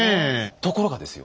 ところがですよ